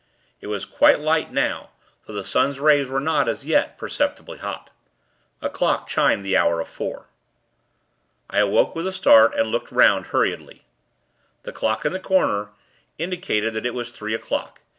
It was quite light now; though the sun's rays were not, as yet, perceptibly hot. A clock chimed the hour of four. I awoke, with a start, and looked 'round, hurriedly. The clock in the corner, indicated that it was three o'clock.